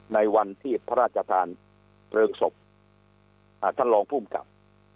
ในวันที่พระราชธานเติบศพอ่าท่านรองผู้กลับ